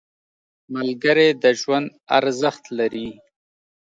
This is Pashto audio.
• ملګری د ژوند ارزښت لري.